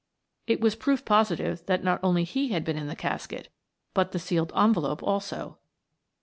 It was proof positive that not only he had been in the casket, but the sealed envelope also.